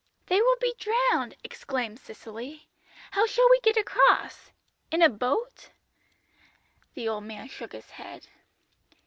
"'They will be drowned,' exclaimed Cicely. 'How shall we get across? In a boat?' "The old man shook his head.